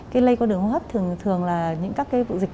cái lây qua đường hô hấp thường là những các vụ dịch